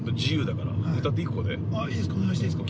お願いしていいですか。